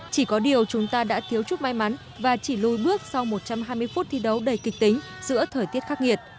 chỉ có điều chúng ta đã thiếu chút may mắn và chỉ lùi bước sau một trăm hai mươi phút thi đấu đầy kịch tính giữa thời tiết khắc nghiệt